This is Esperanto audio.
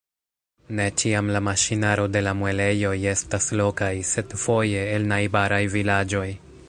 Ne ĉiam la maŝinaro de la muelejoj estas lokaj, sed foje el najbaraj vilaĝoj.